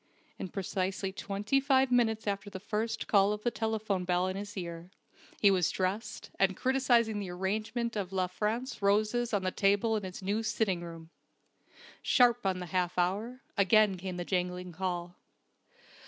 In precisely twenty five minutes after the first call of the telephone bell in his ear, he was dressed, and criticising the arrangement of La France roses on the table in his new sitting room. Sharp on the half hour, again came the jangling call.